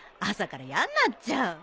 朝からやんなっちゃう。